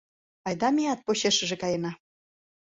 Айда меат почешыже каена...